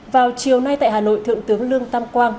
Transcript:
vào chiều nay tại hà nội thượng tướng lương tam quang